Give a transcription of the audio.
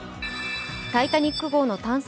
「タイタニック」号の探索